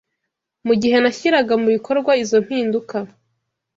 Mu gihe nashyiraga mu bikorwa izo mpinduka